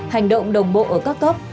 hành động đồng bộ ở các cấp